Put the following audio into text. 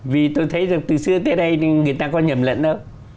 vì tôi thấy từ xưa tới đây người ta có nhầm lẫn đâu